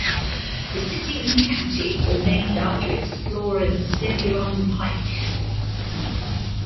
The city and county were named after explorer Zebulon Pike.